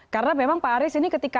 karena memang pak aris ini ketika